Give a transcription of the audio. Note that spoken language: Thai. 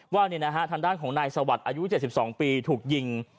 ว่าทางด้านของนายสวัสดิ์อายุ๗๒ปีถูกยิง